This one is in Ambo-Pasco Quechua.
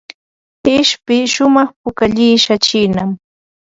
Ishpi shumaq pukallishqa chiinam.